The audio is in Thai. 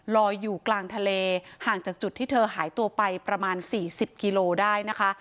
ลอยอยู่กลางทะเลห่างจากจุดที่เธอหายตัวไปประมาณ๔๐กิโลได้นะคะ